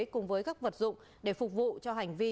cùng với các vật dụng để phục vụ cho hành vi